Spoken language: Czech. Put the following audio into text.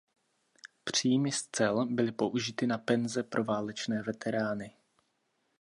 Příjmy z cel byly použity na penze pro válečné veterány.